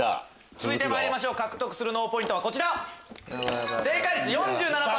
続いてまいりましょう獲得する脳ポイントはこちら！